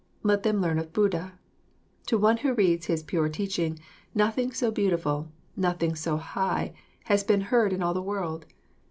Let them learn of Buddha. To one who reads his pure teaching, nothing so beautiful, nothing so high, has been heard in all the world.